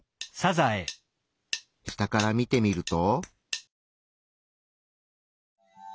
下から見てみると。